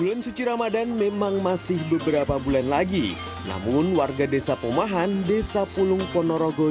bulan suci ramadhan memang masih beberapa bulan lagi namun warga desa pomahan desa pulung ponorogo